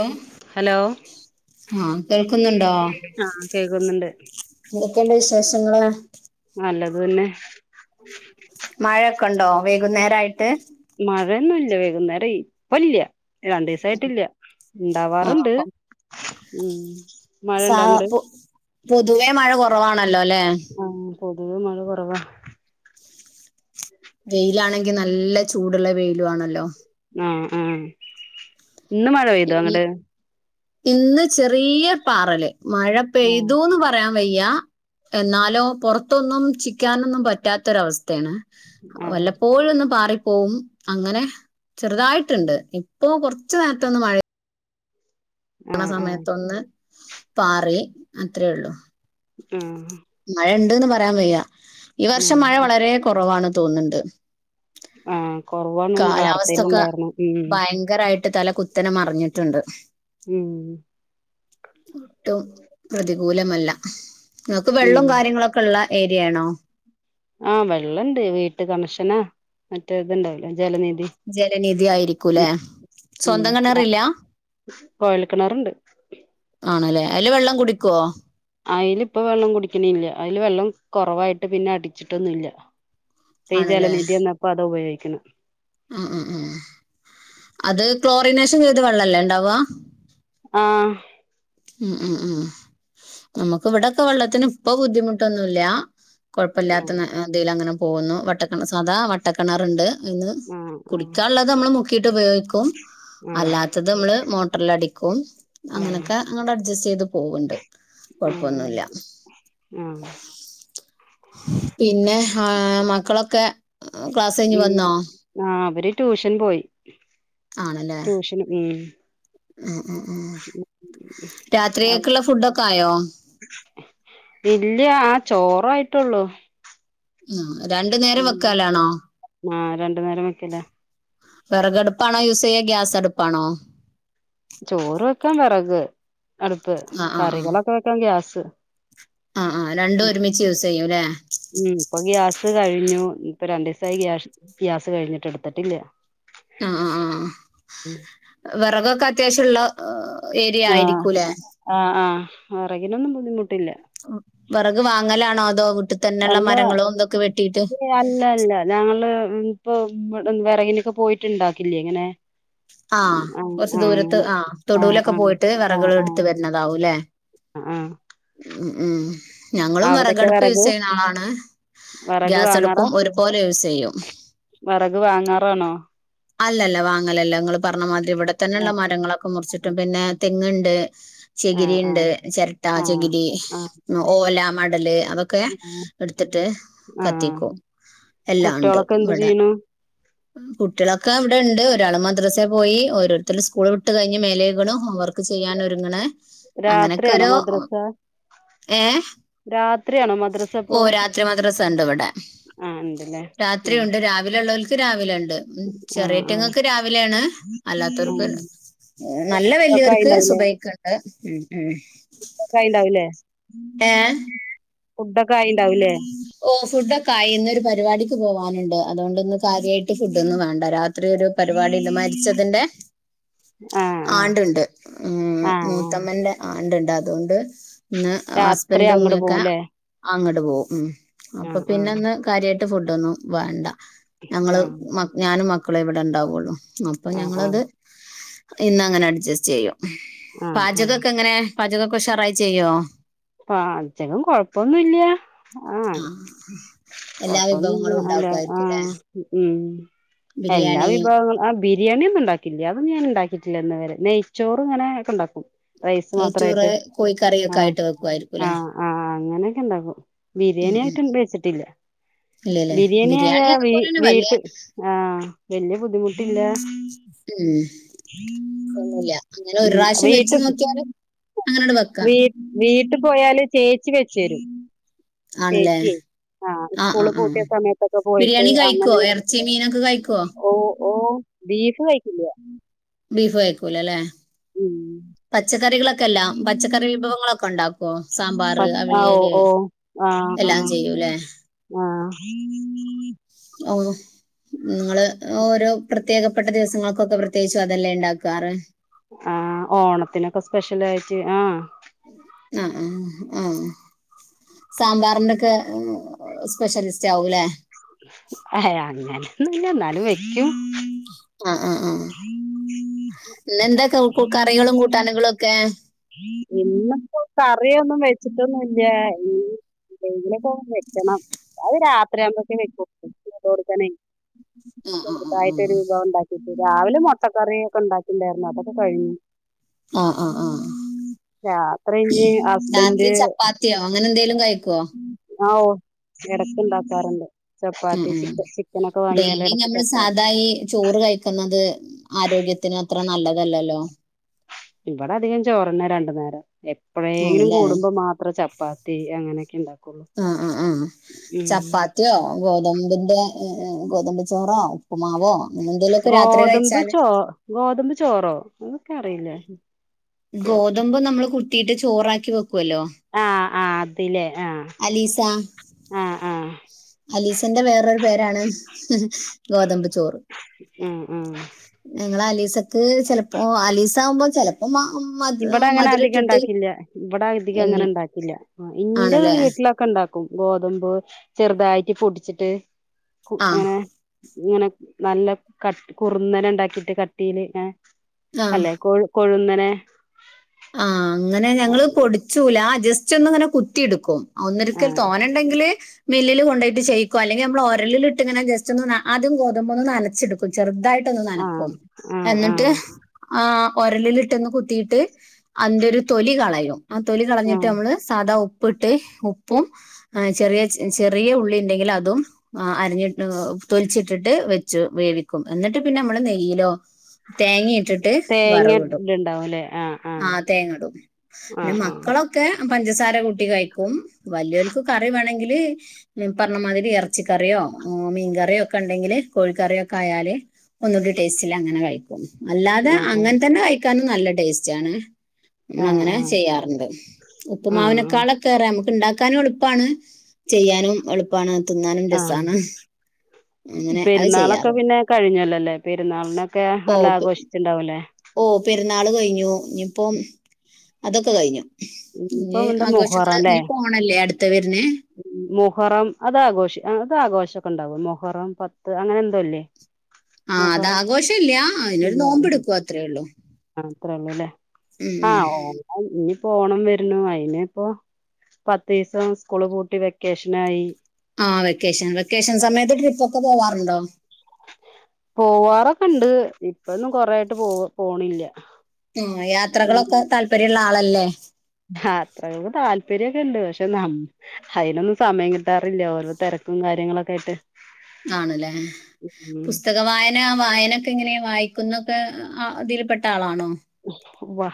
Hello hello ആ കേൾക്കുന്നുണ്ടോ ആഹ് കേക്കുന്നുണ്ട് കെണ്ട് വിശേഷങ്ങള നല്ലത് തന്നെ മയ ക്കണ്ടോ വെ ന്നേരായിട്ട് ഴന്നുംല്ല വേഗുന്നേരയി പല്യ രണ്ടു ദിവസ ആയിട്ടില്ല ആ ഇണ്ടാവാറുണ്ട് ഉം മഴ സാ ഇണ്ടാ അങ്ങട് പൊ പൊതുവേ മഴ കുറവാണ് ണല്ലോ ല്ലേ അതവ [unintelligible] മഴ കുറവാ വെയിലാണെങ്കി നല്ല ചൂടുള്ള വെയിലു ആണല്ലോ ആ ആ ഇന്ന് മഴ പെയ്തോ ഇനി അങ്ങട്ട് ഇന്ന് ചെറിയ പാറൽ മഴ ആഹ് പെയ്തുന്ന് പറയാൻ വയ്യാ എന്നാലോ പുറത്തൊന്നും ചിക്കാനൊന്നും പറ്റാത്തൊരവസ്ഥയാണ് ആഹ് വല്ലപ്പോഴും ഒന്ന് പാറി പോകും അങ്ങനെ ചെറുതായിട്ടുണ്ട് ഇപ്പോ കുറച്ച് നേര പെട്ടെന്ന് മഴ ആഹ് [unintelligible] ആഹ് സമയത്തൊന്ന് പാറിം അത്രേ ഉള്ളു മം മഴ ഉണ്ട്ന്ന് പറയാൻ വയ്യ ഈ ഉം വർഷം മഴ വളരെ കുറവാണ് തോന്ന്ണ്ട് ആ കുറവാണ് ഒക്കെ വാർത്തൽണ്ടായിരുന്നു ഉ ഭയങ്കരമായിട്ട് തല കുത്തനെ മറഞ്ഞിട്ടുണ്ട് ഉം ഒട്ടും പ്രതികൂല മല്ല നിങ്ങക്ക് ഉം വെള്ളവും കാര്യങ്ങളൊക്കെ ഉള്ള ഏരിയാണോ ആ വെള്ളണ്ട് വീട്ട് കണക്ഷനാ മറ്റേ ഇതുണ്ടാവുല്ലോ ജലനിധി ജലനിധി ആയിരിക്കൂലേ സ്വന്തം മം കിണറില്ല കോയൽ കിണറുണ്ട് ആണ്ല്ലേ അതില് വെള്ളം കുടിക്കേ ആയിൽ ഇപ്പം വെള്ളം കുടിക്ക്ണില്ല അയിൽ വെള്ളം കുറവായിട്ട് പിന്നെ അടിച്ചിട്ടൊന്നുംല്ല ഇപ്പം ഈ ആണല്ലേ ജലനിധി വന്നപ്പോൾ അതാ ഉപയോഗിക്ക ക്ക്‌ണ് [unintelligible] ഉം ഉം ഉം അത് ക്ലോറിനേഷൻ ചെയ്ത് വെള്ളല്ലേ ഉണ്ടാവാ ആ മം മംമം നമുക്ക് ഇവിടൊക്കെ വെള്ളത്തിന് ഇപ്പൊ ബുദ്ധിമുട്ടൊന്നുല്ല ആഹ് കൊഴപ്പല്ലാത്തന്ന ന്ന ഇതിലങ്ങനെ പോകുന്നു വട്ടക്കിണ സാധാ വട്ടക്കെ ണറുണ്ട് ഇന്ന് ആഹ് കുടിക്കാള്ളത് നമ്മള് മുക്കിയിട്ട് ഉപയോഗിക്കും ആഹ് അല്ലാത്തത് നമ്മള് മോ ട്രില്ലടി ക്കും ആഹ് അങ്ങനെക്കെ ക്കെ ആഹ് അങ്ങോട്ടഡ്ജസ്റ്റ് ചെയ്ത് പോവുണ്ട് ഉം ഉം കൊഴപ്പൊന്നുവില്ല ആഹ് പിന്നെ ആ മക്കളൊക്കെ ക്ലാസ് കയിഞ്ഞ് ഉം വന്നോ ആഹ് അവര് ട്യൂഷൻ പോയി ട്യൂഷനു ഉം ആ രാത്രിയേക്കുള്ള ഫുഡൊക്കെ ആയോ ഇല്ല അ [unintelligible] ചോറായിട്ടൊള്ളൂ ങ്ങാ ഉം ആ രണ്ട് നേരം വെക്കലാ വെറകടുപ്പാണോ യൂസ് ചെയ്യ ഗ്യാസ് അടുപ്പാണോ ചോറ് വെക്കാൻ വെറക് അടുപ്പ് ആ ആ ആ കറികളൊക്കെ വെക്കാൻ ഗ്യാസ് ത് ആ ആ രണ്ടും ഒരുമിച്ച് യൂസ് ചെയ്യൂ ല്ലെ ഴിഞ്ഞു ഇപ്പ രണ്ടിസായി ഗ്യാഷ് ഗ്യാസ് കഴിഞ്ഞിട്ട് എടുത്തിട്ടില്ല ആ ആ ആ വെറകൊക്കെ അത്യാവശ്യുള്ള ആ ആ ആ ആ വെറകിനൊന്നും ബുദ്ധിമു വെറക് വാങ്ങലാണോ അ ദോ കൂട് അല്ല അല്ല അല്ല ഞങ്ങള് ഇപ്പ ഇവട വെറകിനൊക്കെ പോയിട്ടുണ്ടാക്കില്ലേ ഇങ്ങനെ ആ ആഹ് കുറച്ചു ആഹ് ദൂരത്ത് അങ്ങനെ ആ ആഹ് തൊടുവിലൊക്കെ ആഹ് പോയിട്ട് വെറക് ആഹ് കൾ എടുത്ത ആഹ് വരുന്നതാവൂല്ലെ ആഹ് ഉം ഉം ഞങ്ങളും അവിടൊക്കെ വെറകടുപ്പ് യൂസ് വെറക് ചെയ്യണ ആളാണ് വെറക് വാങ്ങാറാ ഗ്യാസടുപ്പും ഒരുപോലെ യൂസ് ചെയ്യും അത് വാങ്ങാറാണോ അല്ലല്ല വാങ്ങലല്ല നിങ്ങൾ പറഞ്ഞ മാതിരി ഇവിടെ തന്നെുള്ള ആഹ് മരങ്ങളൊക്കെ മുറിച്ചിട്ടും പിന്നെ തെങ്ങുണ്ട് ചകിരി ആഹ് ഉണ്ട് ആഹ് ചിരട്ട ആഹ് ചകിരി ആഹ് ഓല മടല് അതൊക്കെ ആഹ് എടുത്തിട്ട് ആഹ് കത്തിക്കും എല്ലാം ഉണ്ട് കുട്ടികളൊക്കെ എന്ത് ഇവിടെ ചെയ്യണു ആട്ട [unintelligible] കുട്ടികളൊക്കെ അവിടെ ഉണ്ട് ഒരാള് മദ്രസെ പോയി ഓരോരുത്തർ സ്കൂൾ വിട്ട് കഴിഞ്ഞ് മേലേക്കണം ഹോം വർക്ക് ചെയ്യാൻ ഒരുങ്ങണെ അങ്ങനെയൊക്കെ രാത്രിയാണോ ഒരുോ മദ്രസ ഏഹ രാത്രിയാണോ മദ്രസ ഇപ്പോ ഓ രാത്രി മാത്ര രസ ഉണ്ട് ഇവിടെ ആഹ് ഉണ്ടല്ലേ രാത്രി ആഹ് ഉണ്ട് രാവിലെുള്ളവർ രാവിലെ ഉണ്ട് ഉം ആഹ് ചെറിയറ്റങ്ങക്ക് രാവിലെയാണ് ആഹ് അല്ലാത്തവർക്ക് ആഹ് നല്ല ഒക്കെ വൽയവർക്ക് ആയിണ്ടാവൂലേ സുബയ്ക്ക്ണ്ട് ഉം ഉം ഒക്കെ ആയിണ്ടാവൂലേ ഏ ഫുഡൊക്കെ ആയിണ്ടാവൂല്ലേ ഓ ഫുഡൊക്കായി ഇന്നൊരു പരിപാടിക്ക് പോവാന്ണ്ട് അതോണ്ട്ന്ന് കാര്യായിട്ട് ഫുടൊന്നും വേണ്ട രാത്രി ഒരു പരിപാടി ഇണ്ട് മരിച്ചതിന്റെ ആഹ് ആഹ് ആണ്ട്ണ്ട് ഉ ആഹ് ആഹ് മൂത്തമ്മന്റെ ആ ണ്ട് ണ്ട് അതോണ്ട് ഇന്ന് രാത്രി ഹസ്ബന്റും അങ്ങട് ഉമ്മക്കെ പോവുംല്ലേ അങ്ങട് പോവും ഉം അപ്പ ആഹ് പിന്നെ ആഹ് ഇന്ന് കാര്യായിട്ട് ഫുടോന്നും വേണ്ട ഞങ്ങള് ആഹ് മ ഞാനും മക്ക് മക്കളെ ഇവിടെണ്ടാവോള്ളൂ അപ്പ ആഹ് ആഹ് ഞങ്ങളത് ഇന്ന് അങ്ങനെ അഡ്ജസ്റ്റ് ചെയ്യും ആഹ് ആഹ് പാചകംക്കെ എങ്ങനെ പാചകക്കെ ഉഷറായി ചെയ്യോ പാചകം കൊഴപ്പൊന്നുല്ല ആഹ് ആ എല്ലാ കൊഴപ്പൊന്നുല്ല വിഭവങ്ങളും അല്ല ആ ഉണ്ടാക്കുമായിരിക്കും അല്ലെ മ് എല്ലാ ബിരിയാണി വിഭവങ്ങളും ബിരിയാണി ഒന്നും ഉണ്ടാക്കില്ല അതും ഞാൻ ഇണ്ടാക്കിയിട്ടില്ല ഇന്ന് വരെ നെയ്ച്ചോറും ഇങ്ങനെ ഒക്കെ ഇണ്ടാക്കും ഏറ്റൂറ് കോഴിക്കറിയൊക്കെ ആയിട്ട് വെക്കുയിരിക്കുംല്ലേ അങ്ങനെക്കെ ഇണ്ടാക്കും ബിരിയാണി ആയിട്ട് ഇണ്ട് ഇല്ലല്ലേ ബിരിയാണി ആയ വീ അതുപോലെ തന്നെ വലിയ വീട്ട് ആ വല്യ ബുദ്ധിമുട്ടില്ല ഉം ഒന്നുമില്ല അങ്ങനെ ഒരു പ്രാവശ്യം വീട്ട് വെച്ച് നോക്കിയാല് അങ്ങനോട് വെക്കാം വീ വീ ട്ട് പോയാല് ചേച്ചി വെച്ചരും ആണല്ലേ ആ ആ സ്കൂള് ആ പൂട്ടിയ സമയത്തൊക്കെ പോയിട്ട് ബിരിയാണി കഴിക്കോ അങ്ങനെ എറച്ചി മീനൊക്കെ കഴിക്കോ ഓ ഓ ബീഫ് കയ്ക്കില്ല ബീഫ് കയ്ക്കൂലല്ലേ പച്ചക്കറിള കല്ല പച്ചക്കറി വിഭവങ്ങളൊക്കെണ്ടോ ഓ ഓ ആഹ എല്ലാം ചെയ്യൂലേ ആഹ ആഹ ഉം ഓ നിങ്ങള് ഓരോ പ്രത്യേക പപ്പെട്ട ദിവസങ്ങൾക്കൊക്കെ പ്രത്യേകിച്ചും അതെല്ലാം ഉണ്ടാറ് ആഹ ഓണത്തിനൊക്കെ സ്പെഷ്യൽ ആയിട്ട് ആഹ ആഹ ആഹ ആഹ സാമ്പാറിന്റെൊക്കെ സ്പെഷ്യലിസ്റ്റ് ആവലെ ഹ ആങ്ങാണ് ഇല്ല എ എന്നാലും വെക്കും ആ ആ ആ് ആ പിന്ന എന്തൊക്കെ കറികളും കൂട്ടാനകുംൊക്കെ ഇന്നിപ്പോ കറിയൊന്നും വെച്ചിട്ടൊന്നും ഇല്ല ഈ എെയില പോ വെക്കണം അത് രാത്രിയാവുമ്പക്കെ വെക്കും അതോടു തനെ ആ ആ ആ ശരി ബായിട്ടറി ബൗണ്ടാക്കി രാവിലെ മുട്ടക്കറിയ ഒക്കെ ഉണ്ടാക്കില്ലായിരുന്നു അതൊക്കെ കഴിഞ്ഞു ആഹ ആ ആഹ രാത്രി ഇനി രാത്രി ഹസ്ബൻഡ് ചപ്പാത്തിയോ അങ്ങനെ എന്തെലും കഴിക്കുവോ ആ ഇടക്കുണ്ടാക്കാറുണ്ട്ോ ഉ ഉം ഡെയിലി ഇടക്ക് നമ്മൾ ചപ്പാത്തി സാധായി ചോറ് കഴിക്കുന്നത് ആരോഗ്യത്തിന് അത്ര നല്ലതല്ലല്ലോ ഇവിടെ അധികം ചോറിന്ന രണ്ടു നേരം എപ്പോഴെങ്കിലും ആണല്ലേ കൂടുമ്പോ മാത്രമേ ചപ്പാത്തി അങ്ങനെയൊക്കെ ഉണ്ടാക്കുള്ളൂ ആ ആ ആ ഉ ചപ്പാത്തിയോ ഗോതമ്പിന്റെ ഏർ ഗോതമ്പച്ചോറോ ഉപ്പുമാവോ അങ്ങനെ എന്തേലുമൊക്കെ രാത്രി ഗോതമ്പ് കഴിച്ചാല് ക്ക അറിയില്ലേ ഗോതമ്പ് നമ്മള് കു കിട്ട് ചോറാക്കി വക്കും ക്കല്ലോ ആതില്െ അലീസ ആഹ് അലീസന്റെ വേറൊരു പേരാണ് ഗോതമ്പ് ചോറ് ഉം ഉം അതക്ക് ചിലപ്പോ അലീസ ആകുമ്പോ ചിലപ്പ ഇവടെ അങ്ങനെ അധികം ഇണ്ടാക്കില്ല. ഇവടെ അധികം ഉം, അങ്ങനെ ഇണ്ടാക്കില്ല. ആഹ് ഇൻ്റെ ആണല്ലേ വീ ട്ട്ലൊക്ക ണ്ടാക്കും ഗോതമ്പ് ചെറുതായിട്ട് പൊടിച്ചിട്ട് ക്കും ആ എങ്ങനെ ഇങ്ങനെ നല്ല കട്ടി കുറുന്നരെ ഇണ്ടാക്കിട്ട് കട്ടീല് ഏഹ് അല്ലേ കൊഴ് കൊഴുന്ന നെ ആഹ് അങ്ങനെ ഞങ്ങള് പൊടിച്ചൂല ജസ്റ്റ് ചെന്ന് ങ്ങനെ കുത്തിയിടും ഒന്നൊരിക്കൽ ആഹ് തോന്നണ്ടെങ്കില് മില്ലില് കൊണ്ടോയിട്ട് ചെയ്യിക്കു അല്ലെങ്കിൽ നമ്മൾ ഒരലിട്ട്ങ്ങനെ ജസ്റ്റ് ഒന്ന് ആദ്യം ഗോതമ്പൊ ഒന്ന് നനച്ചെടുക്കും ചെുതയി ട്ടന്ന് ആഹ് നനക്കും ആഹ് എന്നിട്ട് ആഹ് ആഹ് ഒരലിലിട്ടന്ന് കുത്തിട്ട് അന്റെ ഒരു തൊലി കളയും ആഹ് തൊല കളഞ്ഞിട്ട് ആഹ് നമ്മള് സാധാ പ്പ് പ്പിട്ട് ഉപ്പും ചെറിയ ചെറിയ ഉള്ളി ഉണ്ടെങ്കിൽ അതും അരിഞ്ഞി തൊലിച്ചിട്ടിട്ട് വെച്ചു വേവിക്കും എന്നിട്ട് പിന്നെ നമ്മള് നെയ്യലോ തേങ്ങ ട ഉണ്ടാവുംല്ലേ ആഹ് ആഹ് ആഹ് തേങ്ങടും പിന്നെ ആഹ് മക്കളൊക്കെ പഞ്ചസാര കൂട്ടി കഴിക്കും വലിയൽക്ക് കറി വേണമെങ്കിൽ പറഞ്ഞമാതിരി ഇറച്ചിക്കറിയോ മീൻ കറിയോ ഒക്കെ ഉണ്ടെങ്കിൽ കോഴിക്കറിയൊക്കെ ആയാൽ ഒന്നുകൂടി ടേസ്റ്റിൽ അങ്ങനെ കഴിക്കും അല്ലാതെ ആഹ് ആഹ് അങ്ങനെ തന്നെ കയി ട്ടനും നല്ല ടേസ്റ്റ് ആണ് ആഹ് നമ്മളങ്ങനെ ആഹ് ചെയ്യാറുണ്ട് ആഹ് ഉപ്പുമാവിനെക്കാളൊകെറെ നമു ഉണ്ടാക്കാനും എളുപ്പാണ് ചെയ്യാനും എളുപ്പാണ് ആഹ് അങ്ങനെ അത് പെരുന്നാളൊക്കെ ചെയ്യാറ് പിന്നെ കഴിഞ്ഞല്ലല്ലേ പെരുന്നാളിനൊക്കെ നല്ല ആഘോഷിച്ചിണ്ടാവൂല്ലേ ഓഹ് പെരുന്നാൾ കഴിഞ്ഞു ഇനിയിപ്പോം അതൊക്കെ കഴിഞ്ഞു ഇനി ഇനിയിപ്പം എന്താ മുഹറം ആഘോഷങ്ങള് അല്ലേ ഇഞ്ഞ്പോണല്ലേ അടുത്ത് ത്തവരുന്നെ മുഹറം അതാഘോഷി അത് ആഘോഷക്കെ ഉണ്ടാവോ മുഹറം പത്ത് അങ്ങനെ എന്തോല്ലേ ആഹ് അത് മുഹറം ആഘോഷം ഇല്ല അതിനൊരു നോമ്പ് എടുക്കും അത്രേള്ളൂ അത്രള്ളൂ ലേ ആഹ് ഓഹ് ഇഞ്ഞി പോണം വരുന്നു അയിനി ഇപ്പോ പത്തീസം സ്കൂള് പൂട്ടി വെക്കേഷനായി ആഹ് വെക്കേഷൻ വെക്കേഷൻ സമയത്ത് ട്രിപ്പ് പോവാറൊക്കെ ഇണ്ട് ഇപ്പൊന്നും കൊറായിട്ട് പോ പോണില്ല ആ യാത്രകളൊക്കെ താല്പര്യള്ള ആളല്ലേ അത്രയോ താല്പര്യമൊക്കെ ഉണ്ട് പക്ഷെ അതിനൊന്നും സമയം കിട്ടാറില്ല ഓരോ തിരക്കും കാര്യങ്ങളൊക്കെ ആയിട്ട് ആണല്ലേ ഉം പുസ്തക വായന ആ വായനൊക്കെ എങ്ങനെയ വായി ക്കുന്നൊക്കെ അതിൽപ്പെട്ട ആളാണോ ഉം വാ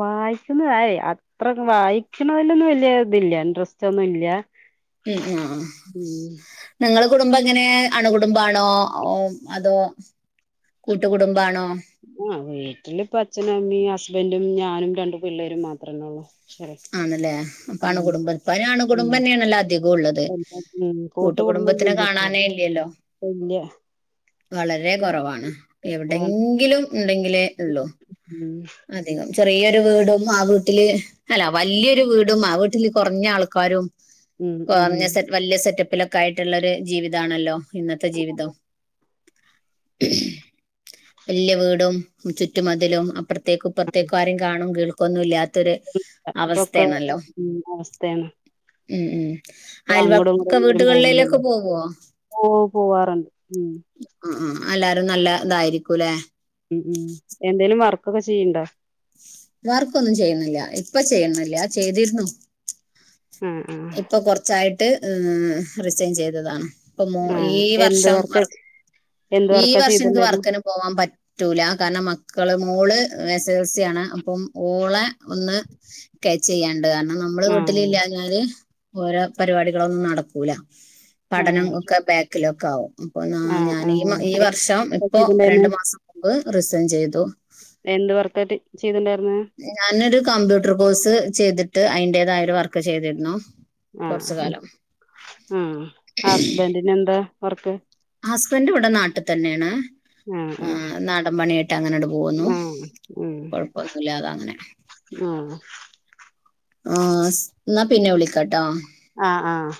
വായിക്കുന്നത് അത്ര വായിക്കണതിലൊന്നും വല്യ ഇതില്ല ഇൻട്രസ്റ്റ് ഒന്നും ഇല്ല ഉം ആ ഉം നിങ്ങ കുടുംബം എങ്ങനെ അണു കുടുംബാണോ അതോ കൂട്ടുകുടുംബാണോ ആ വീട്ടില് ഇപ്പ അച്ഛനമ്മി അ ബന്റും ഞാനും രണ്ടു പിള്ളേരും മാത്രമേ ഉള്ളൂ ശരി ആണല്ലേ അപ്പണുകുടുമ്പം ഉം ഇപ്പൊ ഉം ആണുടുംബന്നെണ് എല്ലാ ള്ളത് ഉം കൂട്ടു കൂട്ടുകുടുംബത്തിനെ കുടുംബൊന്നുല്ല ഇപ്പൊ കാണാനേ ഇല്ലല്ലോ വല്യ വളരെ കുറവാണ് എവിടെങ്കിലും ഉണ്ടെങ്കിലേ ഉള്ളോ ഉം അധികം ചെറിയൊരു വീടും ആ വീട്ടില് അല്ല വലിയൊരു വീടും ആ വീട്ടില് കുറഞ്ഞ ആൾക്കാരും ഉം കൊർ ഉം സെറ്റ് വലിയ സെറ്റപ്പ് പ്പിലൊക്കെ ആയിട്ടുള്ളൊരു ജീവിതമാണല്ലോ ഇന്നത്തെ ജീവിതം വലിയ വീടും ചുറ്റുമതിലും അപ്പ ത്യേക്ക് ഇപത്യേക ആരും കാണും കേ ഒന്നു ഇല്ല ത്തൊര് ഒക്കെ അവസ്ഥയാണ് ഉം ഉം ഇപ്പൊ അങ്ങടും അയൽവക്ക ഇങ്ങടും എല്ലാരും വീട്ടുകളേിലൊക്കെ പോവില്ലല്ലോ പോവോ ഓ പോവാറുണ്ട് ഉം ആ ആ എല്ലാരും നല്ല ഇതായിരിക്കുംല്ലെ ഉ ഉം എന്തേങ്കലും വർ ക്കൊക്കെ ചെയ്യ്ണ്ട വർക്കൊന്നും ചെയ്യുന്നില്ല ഇപ്പ ചെയ്യുന്നില്ല ചെയ്തിരുന്നു. ആഹ് ആഹ് ഇപ്പൊ കൊറച്ചായിട്ട് ട്ട് റിസൈൻ ചെയ്തതാണ്. ഇപ്പൊ മോ ഈ ആഹ് എന്ത് വർഷം വർക്ക ഈ വർഷം എനിക്ക് വർക്കന് പോകൻ പറ്റൂല കാരണം മക്കള് മോള് എ എൽ സി ആണ് അപ്പം ഓള ഒന്ന് ചെയ്യ ണ്ട് കാരണം നമ്മള് വീട്ടില ആഹ് ഇില്ലാഞാല്. ഓരോ പരിപാടികളൊന്നും നടക്കൂല. പഠനം ആഹ് ഒക്കെ ബേക്ക് എിലോക്കാവോ അപ്പൊ ന ആഹ് ഞാനീ ഈ ആഹ് വർഷം ഇപ്പോൊ ചെയ്തിണ്ടായിരുന്നു രണ്ടു മാസം മുമ്പ് റിസൈൻ ചെയ്തു. എന്ത് വറത്തട്ട ചെയ്തിണ്ടായിരുന്നെ. ഞാനൊരു കമ്പ്യൂട്ടർ കോഴ്സ് ചെയ്തിട്ട് അതിന്റേതായരു വർക്ക് ചെയ്തിരുന്നു. കുറച്ചു ആഹ് കാലം ഉം ഹസ്ബന്റിന് എന്താ വർക്ക്. ഹസ്ബൻഡ് ഇവിടെ നാട്ടിൽ തന്നെയാണ്. ആഹ് ആഹ് ർ നാടൻ പണിയായിട്ട് അങ്ങനോട്ടട് പോകുന്നു ആഹ് ഉം ഉം കൊഴപ്പൊന്നുമല്ലാതെ അങ്ങനെ ആഹ് ആഹ് എന്നാ പിന്നെ വിളിക്കാട്ടോ ആഹ് ആഹ്.